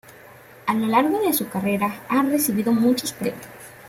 A lo largo de su carrera ha recibido muchos premios.